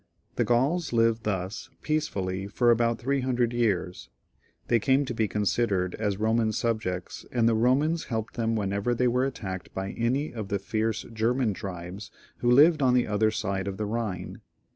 The Grauls lived thus peacefully for about three hun dred years ; they came to be considered as Eoman subjects, and the Eomans helped them whenever they were attacked by any of the fierce German tribes who lived on the other side of the Ehine.